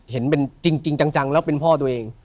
เห็นเป็นจริงจังแล้วเป็นพ่อตัวเอง